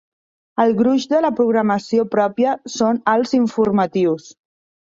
El gruix de la programació pròpia són els informatius.